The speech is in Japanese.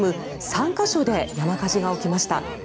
３か所で山火事が起きました。